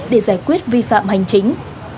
để giải quyết vi phạm hành chính